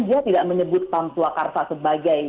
dia tidak menyebut pam swakarsa sebagai nama